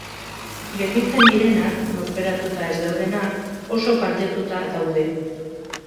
Gelditzen direnak, lurperatuta ez daudenak, oso kaltetuta daude.